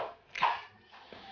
ini gak enak lah